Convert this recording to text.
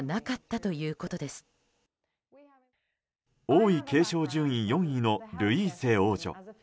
王位継承順位４位のルイーセ王女。